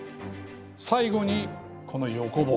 最後にこの横棒。